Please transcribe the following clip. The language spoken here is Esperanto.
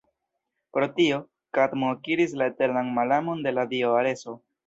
Pro tio, Kadmo akiris la eternan malamon de la dio Areso.